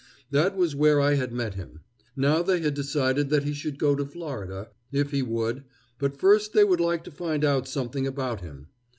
That was where I had met him. Now they had decided that he should go to Florida, if he would, but first they would like to find out something about him.